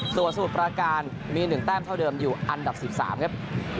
ส่วนสมุทรประการมี๑แต้มเท่าเดิมอยู่อันดับ๑๓ครับ